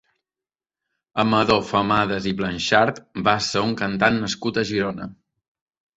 Amador Famadas i Blanxart va ser un cantant nascut a Girona.